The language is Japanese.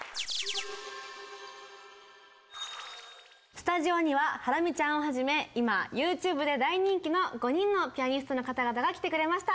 スタジオにはハラミちゃんをはじめ今ＹｏｕＴｕｂｅで大人気の５人のピアニストの方々が来てくれました。